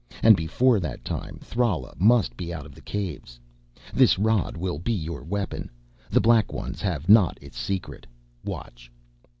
And before that time Thrala must be out of the Caves. This rod will be your weapon; the Black Ones have not its secret. Watch."